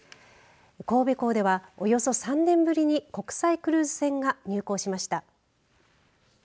神戸港では、およそ３年ぶりに国際クルーズ船が入港しました。